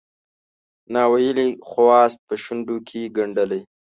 ناویلی خواست په شونډوکې ګنډلی